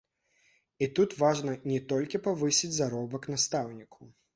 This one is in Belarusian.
І тут важна не толькі павысіць заробак настаўніку.